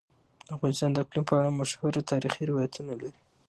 افغانستان د اقلیم په اړه مشهور تاریخی روایتونه لري.